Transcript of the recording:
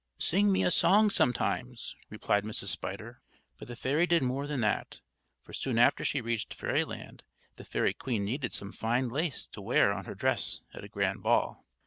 "Sing me a song sometimes," replied Mrs. Spider. But the fairy did more than that; for soon after she reached fairyland, the fairy queen needed some fine lace to wear on her dress at a grand ball.